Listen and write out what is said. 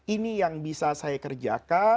ini yang bisa saya kerjakan